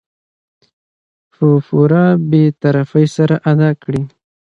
په پوره بې طرفي سره ادا کړي .